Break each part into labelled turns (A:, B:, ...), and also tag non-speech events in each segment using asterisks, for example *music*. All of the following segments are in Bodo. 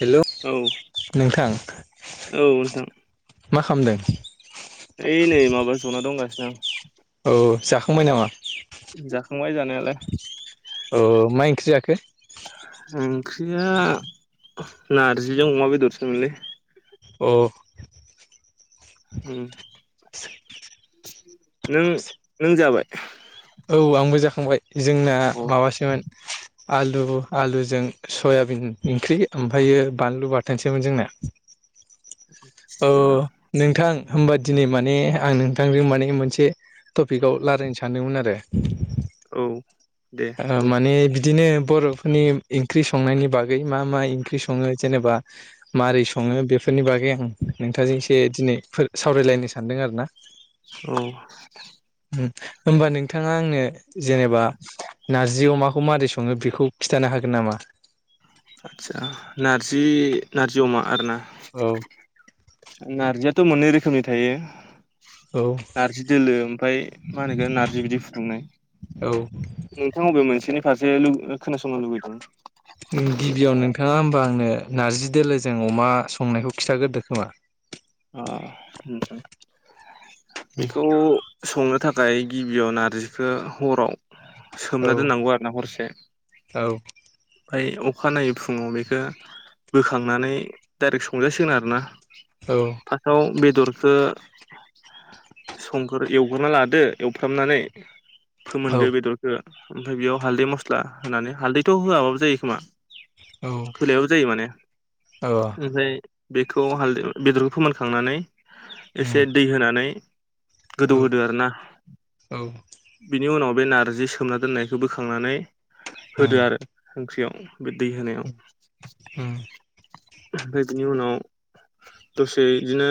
A: हेल'
B: औ औ
A: नोंथां
B: नोंथां
A: मा खालामदों?
B: ओइ नै माबा *unintelligible*
A: औ जाखांबाय नामा?
B: जाखांबाय जानायालाय।
A: औ मा ओंख्रि जाखो
B: ओंख्रिया नारजिजों अमा बेदरसो मोनलै
A: अ।
B: उम नों नों जाबाय?
A: औ आंबो जाखांबाय जोंना
B: अ
A: माबासोमोन। आलु आलुजों सयाबिन ओंख्रि ओमफ्रायो बानलु बाथोनसोमोन जोंना औ
B: आदसा
A: नोंथां होमबा दिनै माने आं नोंथांजों माने मोनसे टपिकआव रायज्लायनो सानदोंमोन आरो
B: औ दे
A: ओ
B: बुं
A: माने बिदिनो बर'फोरनि ओंख्रि संनायनि बागै मा मा ओंख्रि संङो जेनेबा मारै सङो बेफोर बेफोरनि बागै आं नोंथाजों एसे दिनै फोर सावरायलायनो सानदों आरो ना
B: औ।
A: होमबा नोंथाङा आंनो जेनेबा नार्जि अमाखौ मारै सङो बेखौ खिन्थानो हागो हागोन नामा?
B: आदसा नारजि नारजि अमा आरोना?
A: औ।
B: नारजियाथ' मोननै रोखोमनि थायो
A: औ
B: नारजि दोलो ओमफ्राय मा होनोगोन नार्जि बिदि फुदुंनाय नोंथां अबे मोनसेनि फारसे खोनासंनो लुबैदों
A: गिबियाव नोंथाङा मा होंनो आंनो नार्जि दोलोजों अमा संनायखौ खिथाग्रोदो खोमा।
B: अ खोनादों बेखौ संनो थाखाय गिबियाव नारजिखौ हराव
A: औ
B: सोमना दोननांगौ आरो ना हरसे
A: औ
B: ओमफ्राय अखानायै फुङाव बेखौ बोखांनानै डाइरेक्ट संजासिगोन आरोना
A: औ
B: अ बेदरखो संग्रो एवग्रोना लादो एवफ्रामनानै फोमोनदो
A: औ
B: बेदरखो ओमफ्राय बेयाव हालदै, मस्ला होनानै हालदैथ' होआबाबो जायो खोमा होलायाबो जायो माने
A: औ
B: ओमफ्राय बेखौ हालदै बेदर फोमोनखांनानै
A: उम
B: एसे दै होनानै
A: औ
B: गोदौ होदो आरो ना बिनि उनाव बे नार्जि सोमना दोननायखो बोखांनानै होदो
A: उम
B: आरो ओंख्रियाव। बे दै होनायाव
A: उम
B: ओमफ्राय बिनि उनाव दसे इदिनो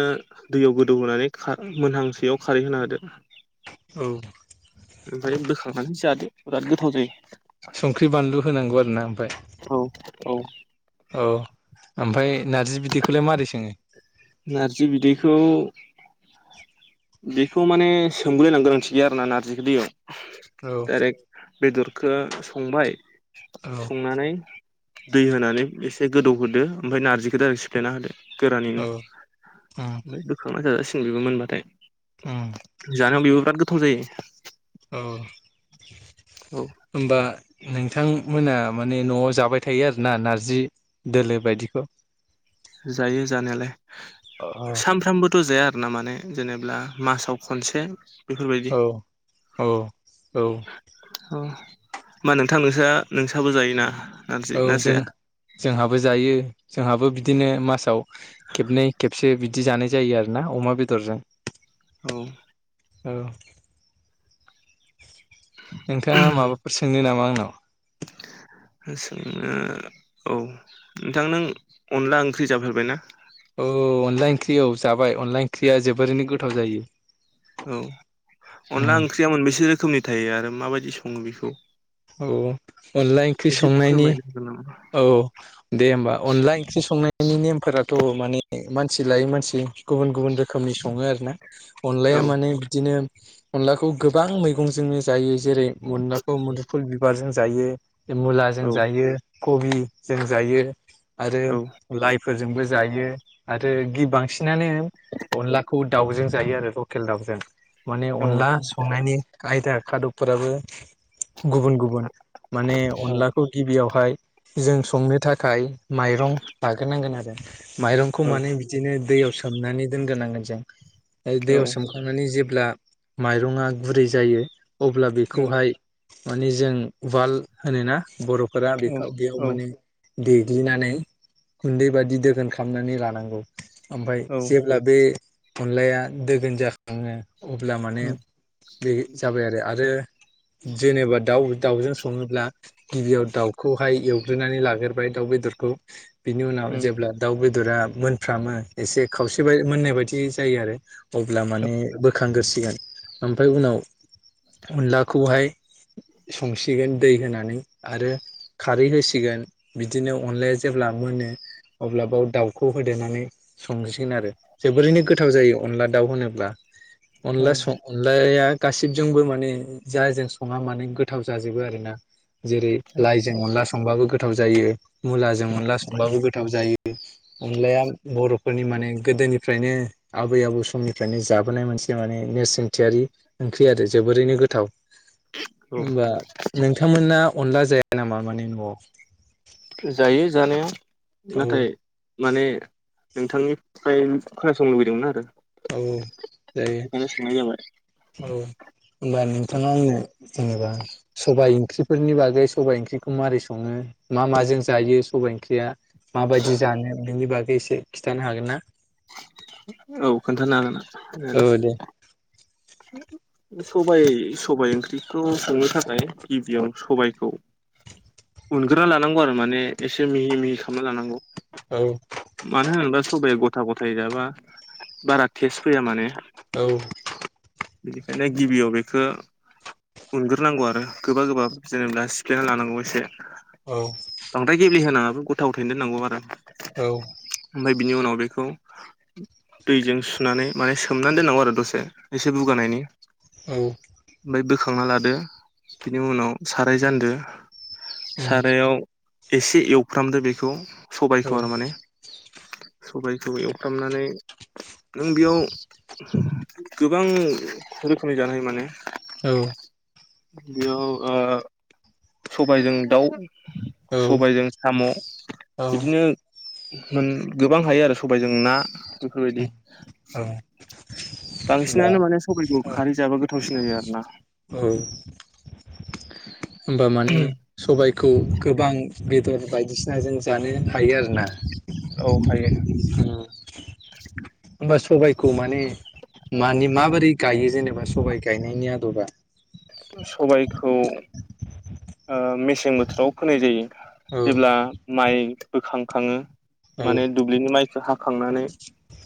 B: दैयाव गोदौ होनानै खा मोनहांसैयाव खारै होना होदो
A: औ
B: ओमफ्राय बोखांनानै जादो बिराद गोथाव जायो।
A: संख्रि, बानलु होनांगौ आरो ना ओमफ्राय
B: औ औ
A: औ ओमफाय नारजि बिदैखोलाय मारै सोङो?
B: नारजि बिदैखौ बेखौ माने सोमग्लयनां गोनांथि गैया आरोना नारजिखो दैयाव
A: औ
B: डाइरेक्ट बेदरखो संबाय
A: औ
B: संनानै दै होनानै एस से गोदौ होदो ओमफाय नारजिखोदो आरो सिफ्लेना होदो गोरानैनो
A: औ उम
B: ओमफाय बोखांना जाजासि बेबो मोनबाथाय उम जानायाव बेबो बिराद गोथाव जायो।
A: औ
B: औ
A: ओमबा नोंथांमोना माने न'आव जाबाय थायो आरो ना नारजि दोलो बायदिख'
B: जायो जानायालाय सानफ्रामबोथ' जाया। ना माने जेनेब्ला मासाव खनसे बेफोरबायदि
A: औ औ
B: अ मा नोंथां नोंसा नोंसाबो जायोना? नारजि
A: औ
B: ना
A: जों
B: जाया
A: जोंहाबो जायो जोंहाबो बिदिनो मासाव खेबनै खेबसे बिदि जानाय जायो आरो ना अमा बेदरजों।
B: औ
A: ओअ नोंथाङा माबाफोर सोंनो नामा आंनाव?
B: हो सोंनो औ नोंथां नों अनला ओंख्रि जाफेरबायना?
A: औ अनला इंख्रि औ जाबाय अनला इंख्रिआ जोबोरैनो गोथाव जायो।
B: औ अनला
A: उम
B: ओंख्रिया मोनबोसे रोखोमनि थायो आरो माबायदि सङो बेखौ?
A: औ अनला इंख्रि
B: एसे
A: संनायनि
B: फोरमायनो हागोन नामा
A: औ दे होमबा अनला इंख्रि संनाय नि नेमफोराथ' माने मानसि लायै मानसि गुबुन गुबुन रोखोमनि सङो आरोना अनलाया
B: औ
A: माने बिदिनो अनलाखौ गोबां मैगंजोंनो जायोज जेरै अनलाखौ मोदु बिबारजों जायो ए
B: औ
A: मुलाजों जायो खबि जों जायो। आरो
B: औ
A: लायफ फोरजोंबो जायो आरो गि बांसिनानो अनलाखौ दाउजों जायो आरो लकेल दाउ। जों माने
B: औ
A: अनला संनायनि कायदा खादबफोराबो गुबुन गुबुन माने
B: औ औ
A: अनलाखौ गिबियावहाय जों संनो थाख खाय माइरं लाग्रोनांगोन आरो माइरंखौ
B: औ
A: माने बिदिनो दैयाव सोमनानै दोनग्रोनांगोन जों ए दैयाव सोमखांनानै जेब्ला माइरं आ गुरै जायो अब्ला
B: औ
A: बेखौहाय माने जों वाल होनोना बर'फोरा बेखौ बेयाव
B: औ
A: माने देग्लिनानै गुन्दै बादि दोगोन खामनानै लानांगौ। ओमफाय
B: औ
A: जेब्ला बे अनलाया दोगोन जाखाङो अब्ला माने
B: औ
A: बे जाबाय आरो आरो जेनेबा दाउ दाउजों सङोब्ला गिबियाव दाउखौहाय बे एवग्रोनानै लाग्रोबबाय दाउ बेदरखौ बिनि उनाव जेब्ला दाउ बे दरा मोनफ्रामो एसे खावसे मोननाय बायदि जायो आरो अब्ला मान बो खांग्रोसिगोन ओमफ्राय उनाव अनलाखौहाय संसिगोन दै होनानै आरो खारै होसिगोन बिदिनो अनलाया जेब्ला मोनो अब्लाबाव दाउखौ होदेरनानै संसिगोन आरो जोबोरैनो गोथाव जायो अनला दाउ होनोब्ला अनला सं अनलाया गासैजोंबो माने जायजों स सङा मानोे गोथाव जाजोबो आरोना जेरै लाइजों अनला संबाबो गोथाव जायो। मुलाजों अनला संबाबो गोथाव जायो। अनलाया बर'फोरनि माने गोदोनिफ्रायनो आबै आबौ समनिफ्रायनो जाबोनाय मोन से माने नेरसोनथियारि ओंख्रि आरो जोबोरैनो गोथाव। होमबा नोंथांमोना अनला जाया नामा माने न'आव?
B: जायो जानाया
A: औ
B: नाथाय माने नोंथांनिफ्राय खोनासंनो लुबैदोंमोन आरो।
A: औ
B: बेखायनो सोंनाय जाबाय
A: जायो औ होनब्ला नों थाङा आंनो जेनेबा सबाइ ओंख्रिफोरनि बागै सबाइ ओंख्रिखौ मारै सङो मा मा जों जायो सबबाय ओंख्रिया माबायदि जानो बेनि बागै एसे खिथानो हागोन ना?
B: औ खोन्थानो हागोन नोंथां।
A: औ दे
B: सबाय सबाय ओंख्रिखौ संनो थाखाय गिबियाव सबाइखौ उनग्रोना लानांगौ आरो माने एसे मिहि मिहि खालामना लानांगौ।
A: औ
B: मानो होनोबा सबाया गथा गथायै जाबा बारा टेस्ट फैया माने
A: औ।
B: ओंखायनो गिबियाव बेखो उग्रोनांगौ आरो गोबा गोबा जेनेबा सिफ्लायना लानांगौ एसे
A: औ
B: बांद्राय गेब्लेहोनाङा गथा गथायैनो दोननांगौ आरो
A: औ
B: ओमफ्राय बिनि उनाव बेखौ दैजों सुनानै माने सोमनानै दोननांगौ आरो दसे एसे बुगानायनि
A: औ।
B: ओमफ्राय बोखांना लादो बिनि उनाव साराय जान्दो
A: उम
B: सारायाव एसे एवफ्रामदो बेखौ
A: औ
B: सबायखौ आरो माने सबायखौ एवफ्रामनानै नों बेयाव गोबां रोखोमनि जानो हायो माने
A: औ।
B: बेयाव ओ सबायजों दाउ सबायजों साम'
A: औ
B: बिदिनो मोन गोबां हायो आरो सबायजों ना बेफोरबायदि
A: औ। होमबा
B: बांसिनानो माने सबाइखौ खारै जाबा गोथावसिन जायो आरोना।
A: *inaudible* होमबा माने सबायखौ गोबां बेदर बायदिसिना जों जानो हायो आरोना।
B: औ हायो
A: होमबा सबायखौ माने मानि माबोरै गायो जेनेबा सबाय गायनायनि आदबा
B: सबायखौ ओ मेसें बोथोराव फोनाय जायो।
A: औ
B: जेब्ला माइ बोखांखाङो
A: औ
B: माने दुब्लिनि माइखौ हाखांनानै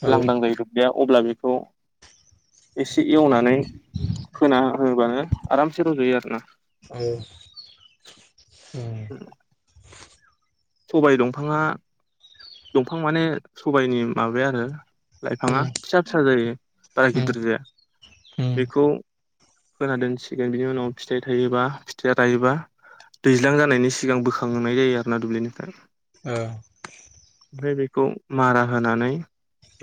A: उम
B: लांदां जायो दुब्लियाव अब्ला बेखौ एसे एवनानै फोना होबानो आरामसे रजयो आरोना
A: औ औ।
B: सबाय दंफाङा दंफां माने सबायनि माबाया आरो लाइफाङा फिसा फिसा जायो बारा
A: उम
B: गिदिर जाया
A: उम
B: बेखौ फोना दोनसिगोन बिनि उनाव फिथाइ थायोबा, फिथाइया रायोबा दैज्लां जानायनि सिगां बोखांहोनाय जायो आरो ना दुब्लिनिफ्राय।
A: ओ।
B: ओमफ्राय बेखौ मारा होनानै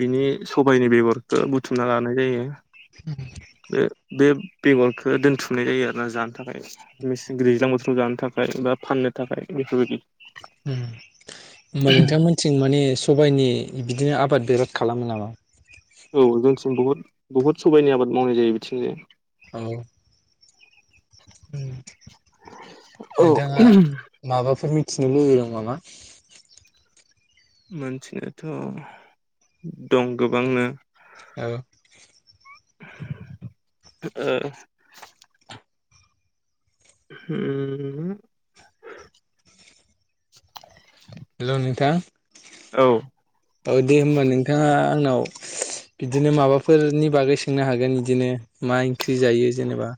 B: बिनि सबायनि बेगरखो बुथुमना लानाय जायो। बे-बे बेगरखो दोनथुमनाय जायो आरोना जानो थाखाय, मेसें दैज्लां बोथोराव जानो थाखाय बा फाननो थाखाय। बेफोरबादि।
A: होमबा नोंथांमोनथिं माने सबायनि बिदिनो आबाद बेराद खालामो नामा?
B: औ जोंनिथिं बुहुद बुहुद सबाइनि आबाद मावनाय जायो बिथिंजाय।
A: अह।
B: औ
A: नोंथाङा माबाफोर मि थिनो लुबैदों नामा?
B: मोनथिनोथ' दं गोबांनो।
A: औ।
B: ओ। *inaudible*
A: हेल' नोंथां?
B: औ
A: औ दे होनबा नोंथाङा आंनाव बिदिनो माबाफोरनि बागै सोंनो हागोन इदिनो मा ओंख्रि जायो जेनेबा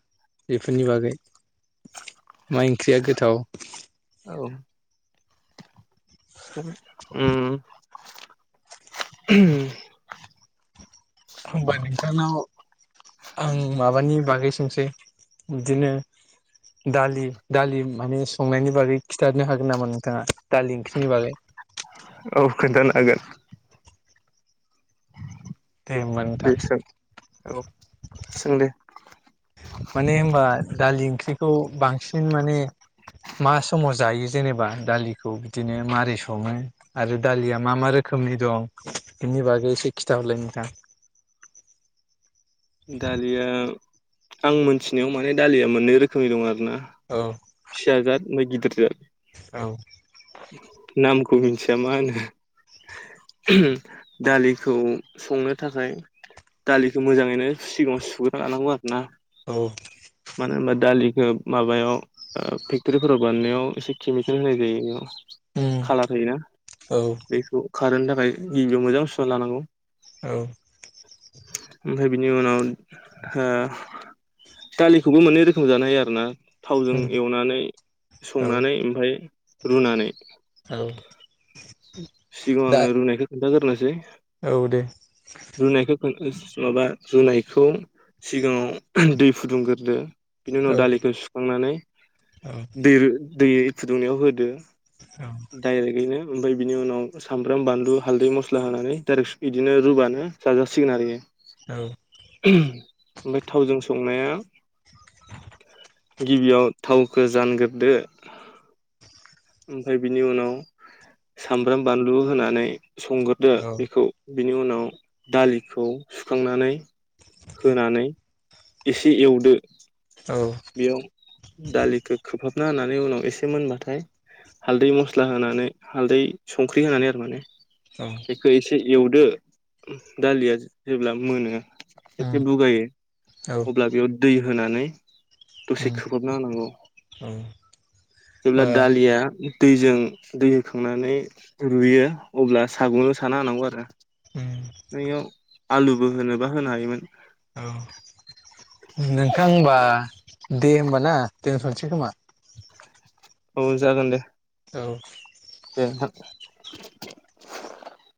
A: बेफोरनि बागै। मा ओंख्रिया गोथाव?
B: *inaudible*
A: होमबा नोंथांनाव आं माबानि बागै सोंसै, बिदिनो दालि दालि माने संनायनि बागै खिथानो हागोन नामा नोंथाङा दालि ओंख्रिनि बागै? *inaudible*
B: औ खोनथानो हागोन।
A: दे होमबा नोंथां
B: दे सों औ सों दे।
A: माने होमबा दालि ओंख्रिखौ बांसिन माने मा समाव जायो जेनेबा दालिखौ बिदिनो मारै सङो आरो दालिया मा मा रोखोमनि दं, बेनि बागै एसे खिथाहरलाय नोंथां?
B: दालिया आं मोनथिनायाव माने दालिया मोननै रोखोमनि दं आरो ना।
A: औ
B: फिसाजाद ओमफाय गिदिरजाद।
A: औ
B: नामखौ मिथिया मा होनो। दालिखौ संनो थाखाय दालिखौ मोजाङैनो सिगाङाव सुग्रोना लानांगौ आरो ना
A: औ
B: मानो होनबा दालि होब माबायाव फेक्टरिफोराव बानायनायाव एसे केमिकेल होनाय जायो एयाव।
A: उम
B: खालार होयोना
A: औ
B: बेखौ खारहोनो थाखाय गिबियाव मोजां सुना लानांगौ।
A: औ।
B: ओमफाय बिनि उनाव दालिखौबो मोननै रोखोम जानो हायो आरोना। थावजों
A: उम
B: एवनानै
A: औ
B: संनानै ओमफाय रुनानै।
A: औ। दा
B: सिगाङाव आङो रुनायखौ खोनथागोरनोसै।
A: औ दे।
B: माबा रुनायखौ सिगाङाव दै फुदुंगोरदो। बिनि उनाव
A: औ
B: दालिखो सुखांनानै
A: औ
B: दै दै फुदुंनायाव होदो।
A: औ
B: दायरेगैनो। ओमफाय बिनि उनाव सामब्राम, बानल, हालदै, मस्ला होनानै डाइरेक्ट इदिनो रुबानो जाजासिगोन आरो
A: औ
B: इयो। ओमफाय थावजों संनाया
A: *inaudible*
B: गिबियाव थावखौ जानगोरदो ओमफ्राय बिनि उनाव सामब्राम बानलु होनानै संगोरदो
A: औ
B: बेखौ बिनि उनाव दालिखौ सुखांनानै होनानै एसे एवदो बेयाव दालिखौ खोबहाबना होनानै उनाव एसे मोनबाथाय हालदै मस्ला होनानै हालदै संख्रि होनानै आरो माने
A: उम औ उम
B: बेखौ एसे एवदो दालिया जेब्ला मोनो एसे बुगायो
A: औ
B: अब्ला बेयाव दै होनानै दसे
A: ओ
B: खोबहाबना होनांगौ जेब्ला दालिया दैजों दै होखांनानै रुयो अब्ला सागंजों साना होनांगौ आरो
A: उम
B: नोंनियाव आलुबो होनोबा होनो हायोमोन
A: औ नोंथां ओमबा दे होनबा ना दोनथसै खोमाना?
B: औ जागोन दे।
A: औ
B: दे नोंथां।